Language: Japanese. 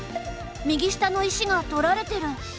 右下の石が取られてる。